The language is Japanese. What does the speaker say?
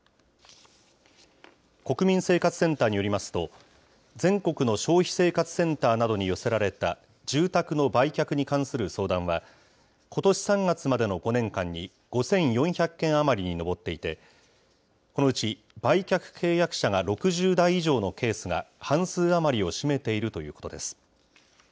国民生活センターによりますと、全国の消費生活センターなどに寄せられた住宅の売却に関する相談は、ことし３月までの５年間に５４００件余りに上っていて、このうち、売却契約者が６０代以上のケースが半数余りを占めているということです。